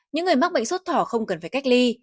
những người mắc bệnh sốt thỏ không cần phải cách ly